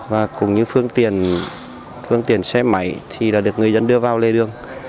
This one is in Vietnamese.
và cũng như phương tiện xe máy thì đã được người dân đưa vào lê đường